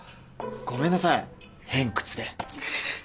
ごめんなさい偏屈で。